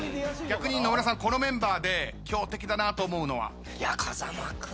逆に野村さんこのメンバーで強敵だなと思うのは？